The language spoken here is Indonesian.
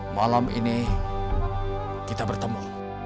malam ini kita bertemu